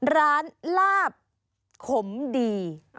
ร้านลาบขมดี